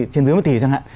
trên dưới một tí chẳng hạn